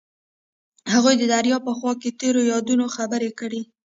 هغوی د دریا په خوا کې تیرو یادونو خبرې کړې.